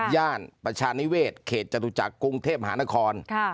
ย่านปชาณิเวศเขกจตุจักรกงเทพธุ์หานคร